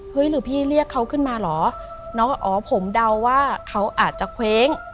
หรือพี่เรียกเขาขึ้นมาเหรอน้องว่าอ๋อผมเดาว่าเขาอาจจะเคว้ง